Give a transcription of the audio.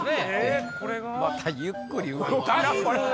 またゆっくり動くなぁ。